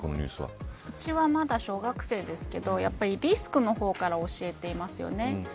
うちは、まだ小学生ですけどやっぱり、リスクの方から教えていますよね。